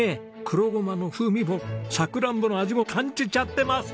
黒ごまの風味もさくらんぼの味も感じちゃってます。